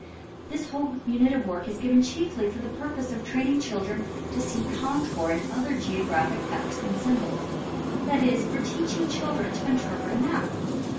This whole unit of work is given chiefly for the purpose of training children to see contour and other geographic facts in symbols — that is, for teaching children to interpret a map.